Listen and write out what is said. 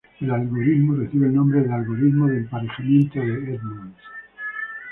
El algoritmo recibe el nombre de Algoritmo de Emparejamiento de Edmonds.